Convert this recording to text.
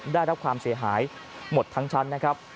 ได้รับความเสียหายหมดทั้งชั้นนะครับ